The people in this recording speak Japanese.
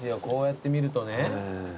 こうやって見るとね。